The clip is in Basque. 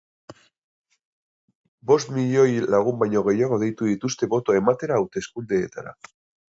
Bost milioi lagun baino gehiago deitu dituzte botoa ematera hauteslekuetara.